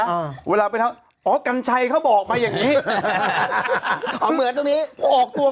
อ่าเวลาไปทำอ๋อกัญชัยเขาบอกมาอย่างงี้ทำเหมือนตรงนี้ออกตัว